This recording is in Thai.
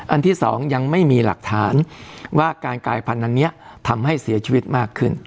ที่สองยังไม่มีหลักฐานว่าการกายพันธุ์นี้ทำให้เสียชีวิตมากขึ้น